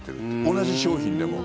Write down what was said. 同じ商品でも。